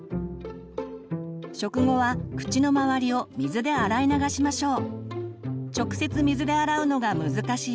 食後は口の周りを水で洗い流しましょう。